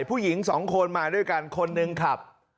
ผู้หญิงสองคนมาด้วยกันคนหนึ่งขับ